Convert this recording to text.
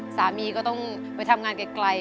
สามีก็ต้องไปทำงานไกล